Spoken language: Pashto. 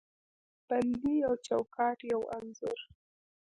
بندې یو چوکاټ، یوه انځور